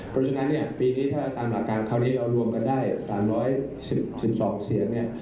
เพราะฉะนั้นปีนี้ถ้าตามหละการหลวงกันได้๓๑๒เสียง